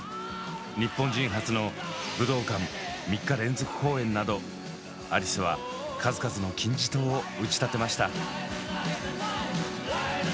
日本人初の武道館３日連続公演などアリスは数々の金字塔を打ち立てました。